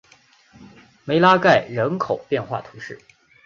梅拉盖人口变化图示